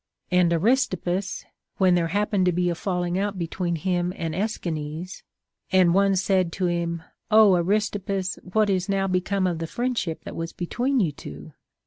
And Aristippus, when there happened to be a falling out between him and Aeschines, and one said to him, Ο Aristippus, what is now become of the friendship that Λvas between you two?